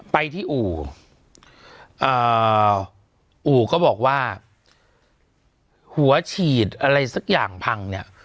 ไปที่อู่อู่ก็บอกว่าหัวฉีดอะไรสักอย่างพังเนี่ย